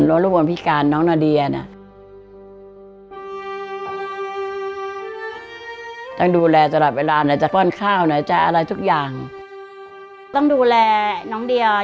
ต้องดูแลน้องเดียอย่างที่ไม่รู้